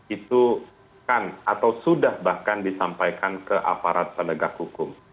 itu kan atau sudah bahkan disampaikan ke aparat penegak hukum